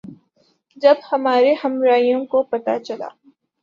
جب ہمارے ہمراہیوں کو پتہ چلا